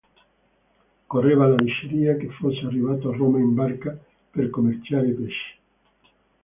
Correva la diceria che fosse arrivato a Roma in barca per commerciare pesce.